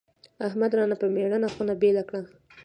احمد رانه په مړینه خونه بېله کړه.